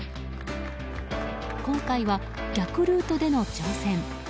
今回は、逆ルートでの挑戦。